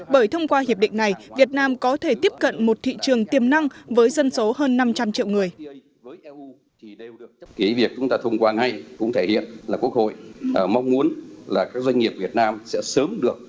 bởi thông qua hiệp định này việt nam có thể tiếp cận một thị trường tiềm năng với dân số hơn năm trăm linh triệu người